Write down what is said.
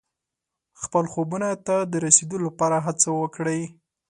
خپلو خوبونو ته د رسیدو لپاره هڅه وکړئ.